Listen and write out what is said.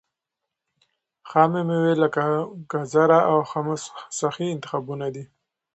خامې مېوې لکه ګاځره او حمص صحي انتخابونه دي.